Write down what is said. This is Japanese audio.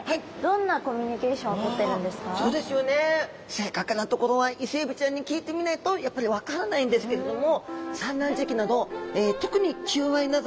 正確なところはイセエビちゃんに聞いてみないとやっぱり分からないんですけれども。